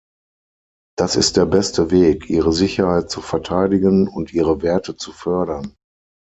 Das ist der beste Weg, ihre Sicherheit zu verteidigen und ihre Werte zu fördern.